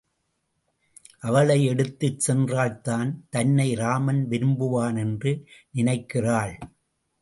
அவளை எடுத்துச் சென்றால்தான் தன்னை ராமன் விரும்புவான் என்று நினைக்கிறாள்.